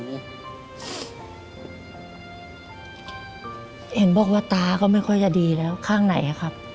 เห็นบอกว่าตาก็ไม่ค่อยจะดีแล้วข้างไหนอะครับ